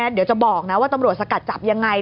เดี๋ยวจะบอกนะว่าตำรวจสกัดจับยังไง